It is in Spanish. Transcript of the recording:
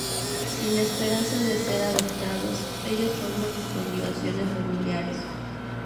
Sin esperanza de ser adoptados, ellos forman sus obligaciones familiares.